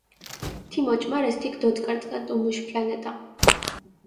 თიმ ოჭუმარეს თიქ დოწკარწკანტუ მუშ პლანეტა.